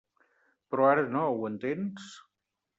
Però ara no, ho entens?